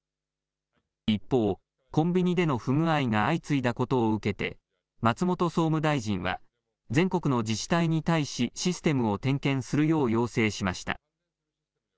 一方、コンビニでの不具合が相次いだことを受けて松本総務大臣は全国の自治体に対しシステムを点検するよう要請しました。